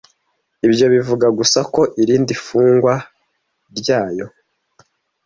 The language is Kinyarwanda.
Ibyo bivuga gusa ko irindi fungwa ryayo.